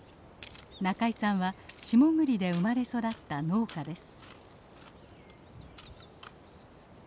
仲井さんは下栗で生まれ育った農家です。